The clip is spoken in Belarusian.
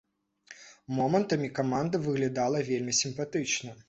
Момантамі каманда выглядала вельмі сімпатычна.